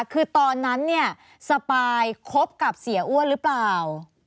คือตอนนั้นเนี่ยสปายคบกับเสียอ้วนหรือเปล่า